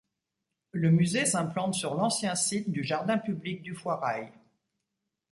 Le musée s'implante sur l'ancien site du jardin public du Foirail.